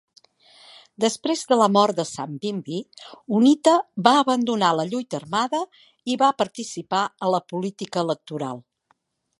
Després de la mort de Savimbi, Unita va abandonar la lluita armada i va participar a la política electoral.